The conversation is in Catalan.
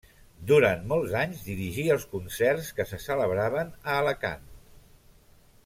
Durant molts anys dirigí els concerts que se celebraven a Alacant.